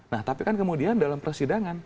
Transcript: nah tapi kan kemudian dalam persidangan